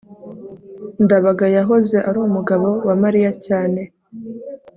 ndabaga yahoze ari umugabo wa mariya cyane